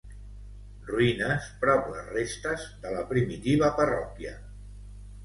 Ruïnes prop les restes de la primitiva parròquia.